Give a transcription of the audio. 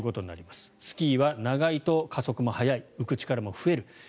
スキーは長いと加速も速い浮く力も増える。